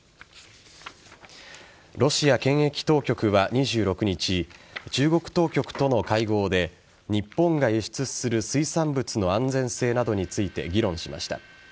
ロシア検疫当局は２６日中国当局との会合で日本が輸出する水産物の安全性などについて議論しました。